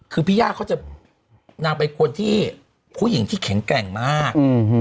คือพี่ยากนั่งไปกับคนผู้หญิงที่เข้นแกร่งมาก